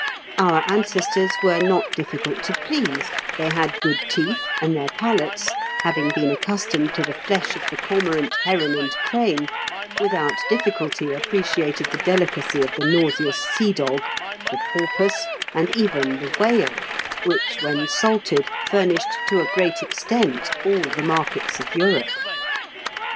Our ancestors were, not difficult to please: they had good teeth, and their palates, having become accustomed to the flesh of the cormorant, heron, and crane, without difficulty appreciated the delicacy of the nauseous sea dog, the porpoise, and even the whale, which, when salted, furnished to a great extent all the markets of Europe.